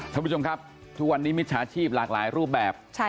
สวัสดีค่ะทุกวันนี้มิตรศาสตร์ชีพหลากหลายรูปแบบ